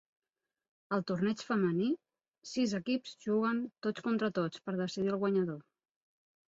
Al torneig femení, sis equips juguen tots contra tots per decidir el guanyador.